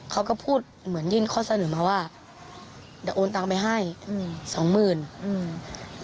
เขาก็พูดเหมือนยื่นข้อเสนอมาว่าเดี๋ยวโอนตังไปให้อืมสองหมื่นอืม